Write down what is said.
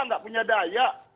enggak punya daya